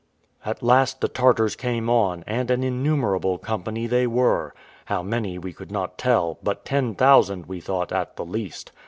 At last the Tartars came on, and an innumerable company they were; how many we could not tell, but ten thousand, we thought, at the least.